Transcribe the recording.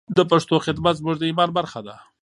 د پښتو خدمت زموږ د ایمان برخه ده.